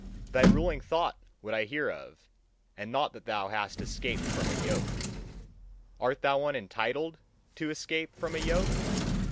Thy ruling thought would I hear of, and not that thou hast escaped from a yoke. Art thou one ENTITLED to escape from a yoke?